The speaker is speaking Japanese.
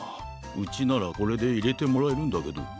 うちならこれでいれてもらえるんだけど。